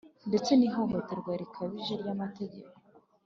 ndetse n'ihohotera rikabije ry'amategeko